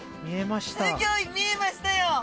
見えましたよ。